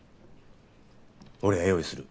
俺が用意する。